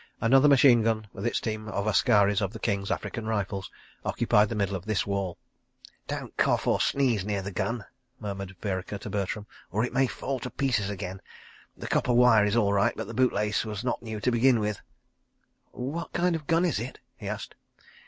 Another machine gun, with its team of askaris of the King's African Rifles, occupied the middle of this wall. "Don't cough or sneeze near the gun," murmured Vereker to Bertram, "or it may fall to pieces again. The copper wire is all right, but the boot lace was not new to begin with." "What kind of gun is it?" he asked.